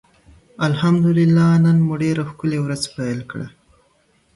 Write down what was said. الحمدالله نن مو ډيره ښکلي ورځ پېل کړه.